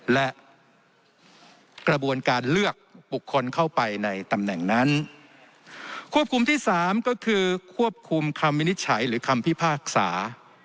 และกระบวนการเลือกบุคคลเข้าไปในตำแหน่งนั้นควบคุมที่สามก็คือควบคุมคำวินิจฉัยหรือคำพิพากษา